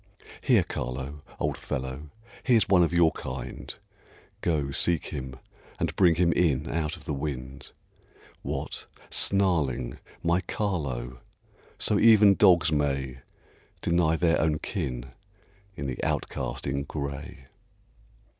Here, Carlo, old fellow, he's one of your kind, Go, seek him, and bring him in out of the wind. What! snarling, my Carlo! So even dogs may Deny their own kin in the outcast in gray.